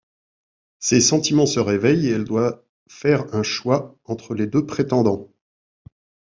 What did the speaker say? Ses sentiments se réveillent et elle doit faire un choix entre les deux prétendants.